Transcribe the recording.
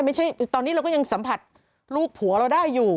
ไม่ใช่ตอนนี้เราก็ยังสัมผัสลูกผัวเราได้อยู่